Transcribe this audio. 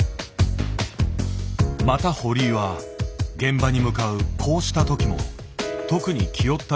また堀井は現場に向かうこうした時も特に気負った様子がない。